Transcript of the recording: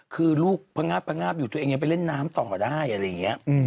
คือลูกพังงาบพังงาบอยู่ตัวเองยังไปเล่นน้ำต่อได้อะไรอย่างนี้